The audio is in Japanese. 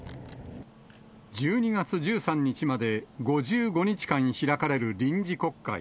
１２月１３日まで５５日間開かれる臨時国会。